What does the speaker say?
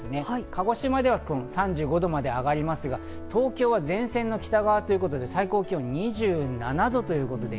鹿児島では３５度まで上がりますが、東京は前線の北側ということで最高気温２７度ということで。